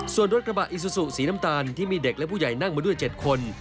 ส่วนรถกระบะอิซูซูสีน้ำตาลที่มีเด็กและผู้ใหญ่นั่งมาด้วย๗คน